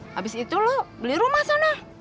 habis itu lo beli rumah sana